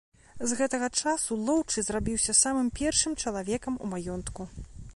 З гэтага часу лоўчы зрабіўся самым першым чалавекам у маёнтку.